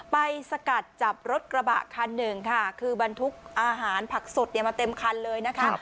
สกัดจับรถกระบะคันหนึ่งค่ะคือบรรทุกอาหารผักสดมาเต็มคันเลยนะคะ